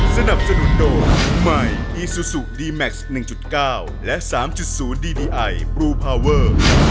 สนับสนุนโดยใหม่อีซูซูดีแม็กซ์๑๙และ๓๐ดีดีไอบลูพาวเวอร์